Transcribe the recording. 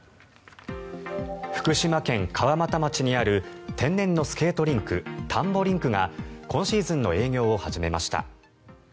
福島県川俣町にある天然のスケートリンク田んぼリンクが今シーズンの営業を始めました。